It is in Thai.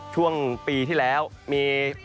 ช่วงปีที่แล้วมี